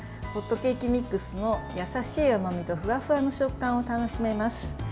ホットケーキミックスの優しい甘みとふわふわの食感を楽しめます。